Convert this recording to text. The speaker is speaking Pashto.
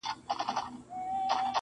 دغزل جامونه وېسي -